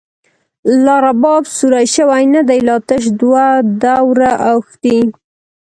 لا رباب سور شوی نه دی، لا تش دوه دوره او ښتی